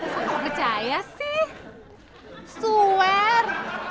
kayaknya sih suer